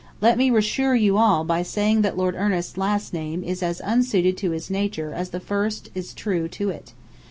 Let me reassure you all by saying that Lord Ernest's last name is as unsuited to his nature as the first is true to it.